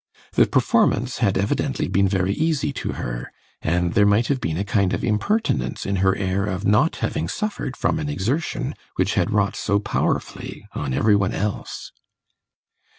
The performance had evidently been very easy to her, and there might have been a kind of impertinence in her air of not having suffered from an exertion which had wrought so powerfully on every one else.